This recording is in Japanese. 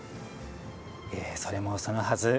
それもそのはず